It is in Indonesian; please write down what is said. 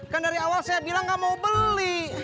kan dari awal saya bilang nggak mau beli